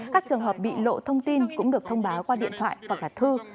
các trường hợp bị lộ thông tin cũng được thông báo qua điện thoại hoặc là thư